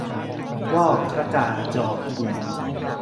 วอก ระกา จอ กุน